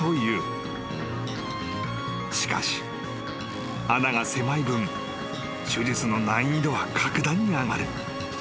［しかし穴が狭い分手術の難易度は格段に上がる］